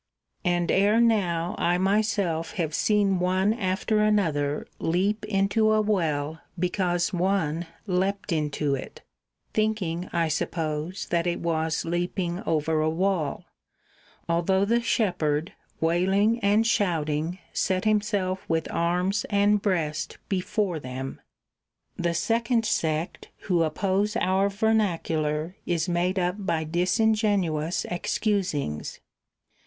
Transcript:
And ere now I myself have seen one after another leap into a well because one leapt into it (think ing, I suppose, that it was leaping over a wall), although the shepherd, wailing and shouting, set himself with \^Jo] arms and breast before them. ii. The second sect who oppose our vernacular is made up by disingenuous excusings.